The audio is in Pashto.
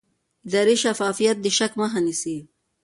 اداري شفافیت د شک مخه نیسي